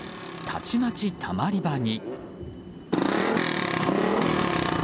たちまち、たまり場に。